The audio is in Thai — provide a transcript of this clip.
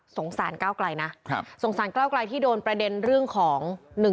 สารก้าวไกลนะสงสารก้าวไกลที่โดนประเด็นเรื่องของ๑๑